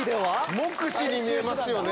目視に見えますよね？